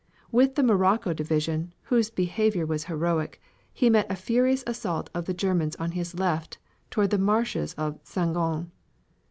With the Morocco division, whose behavior was heroic, he met a furious assault of the Germans on his left toward the marshes of Saint Gond.